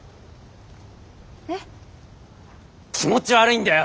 気持ち悪いんだよ！